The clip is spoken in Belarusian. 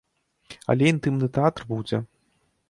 Але інтымны тэатр будзе.